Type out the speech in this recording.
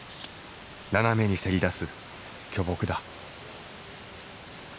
斜めにせり出す巨木だ。